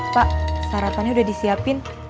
pak sarapannya udah disiapin